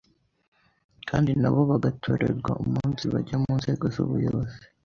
kandi na bo bagatorerwa umunsijya mu nzego z’ubuyobozi